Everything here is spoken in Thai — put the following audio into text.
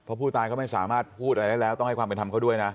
เพราะผู้ตายก็ไม่สามารถพูดอะไรได้แล้วต้องให้ความเป็นธรรมเขาด้วยนะ